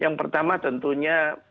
yang kedua masyarakat perlu dibangun